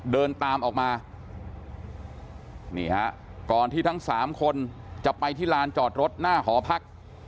เดินตามออกมานี่ฮะก่อนที่ทั้งสามคนจะไปที่ลานจอดรถหน้าหอพัก